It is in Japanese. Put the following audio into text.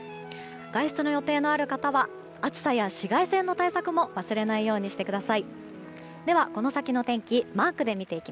外出の予定のある方は暑さや紫外線の対策も忘れないようにしてください。